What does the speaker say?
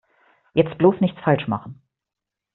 Jetzt bloß nichts falsch machen!